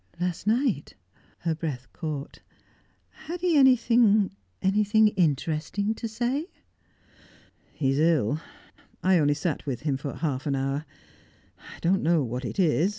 "Last night?" Her breath caught. "Had he anything anything interesting to say?" "He is ill. I only sat with him for half an hour. I don't know what it is.